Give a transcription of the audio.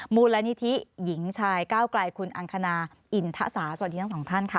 มูลนิธิหญิงชายก้าวไกลคุณอังคณาอินทะสาสวัสดีทั้งสองท่านค่ะ